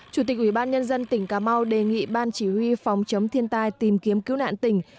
chủ tịch ubnd tỉnh cà mau đề nghị ban chỉ huy phòng chống thiên tai tìm kiếm cứu nạn tỉnh